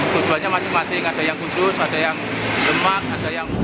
tujuannya masing masing ada yang kudus ada yang lemak ada yang